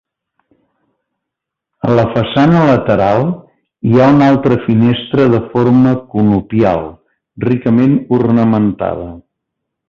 A la façana lateral hi ha una altra finestra de forma conopial ricament ornamentada.